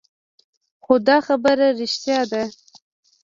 خو دا خبره رښتيا ده.